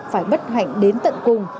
phải bất hạnh đến tận cùng